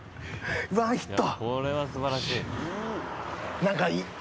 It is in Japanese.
ワンヒット！